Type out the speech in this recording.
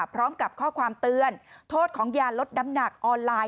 พร้อมกับข้อความเตือนโทษของยาลดน้ำหนักออนไลน